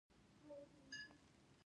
د ناک ونې ډیر نازک طبیعت لري.